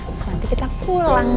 terus nanti kita pulang